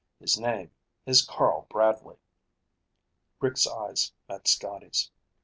"His name is Carl Bradley." Rick's eyes met Scotty's.